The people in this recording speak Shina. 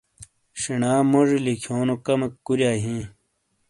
شینا مونی لکھیونو کمیک کُوریائی ہیں۔